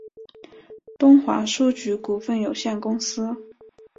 东华书局股份有限公司